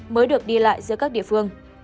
mới được đi lại giữa các địa phương